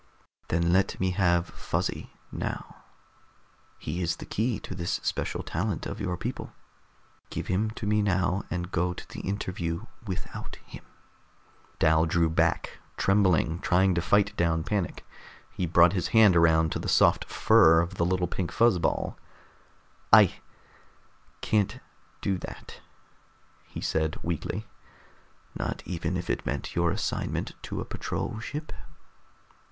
"Then let me have Fuzzy now. He is the key to this special talent of your people. Give him to me now, and go to the interview without him." Dal drew back, trembling, trying to fight down panic. He brought his hand around to the soft fur of the little pink fuzz ball. "I ... can't do that," he said weakly. "Not even if it meant your assignment to a patrol ship?"